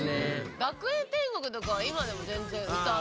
『学園天国』は今でも全然歌う。